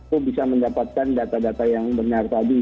itu bisa mendapatkan data data yang benar tadi